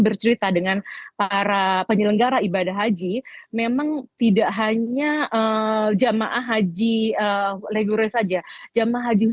bercerita dengan para penyelenggara ibadah haji memang tidak hanya jamaah haji legurus saja jamaah